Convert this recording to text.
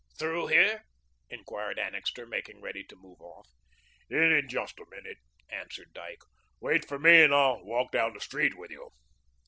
"Through here?" inquired Annixter, making ready to move off. "In just a minute," answered Dyke. "Wait for me and I'll walk down the street with you."